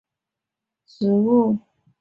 紫缨乳菀是菊科紫菀属的植物。